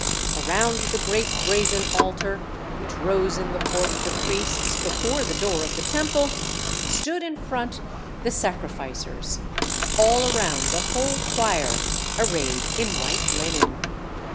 Around the great brazen altar, which rose in the court of the priests before the door of the Temple, stood in front the sacrificers, all around the whole choir, arrayed in white linen.